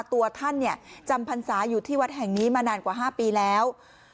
ตัวท่านจำพรรษาอยู่ที่วัดแห่งนี้มานานกว่า๕ปีแล้ว